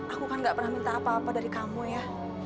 aku kan gak pernah minta apa apa dari kamu ya